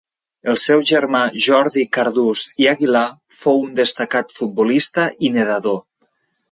El seu germà Jordi Cardús i Aguilar fou un destacat futbolista i nedador.